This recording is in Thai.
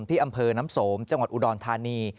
ที่อำเภอน้ำสมจังหวัดอุดรธานี